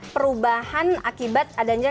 perubahan akibat kekurangan